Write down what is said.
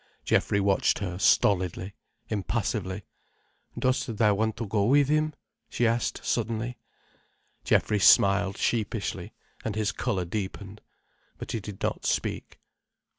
Geoffrey watched her stolidly, impassively. "Dost thou want to go with him?" she asked suddenly. Geoffrey smiled sheepishly, and his colour deepened. But he did not speak.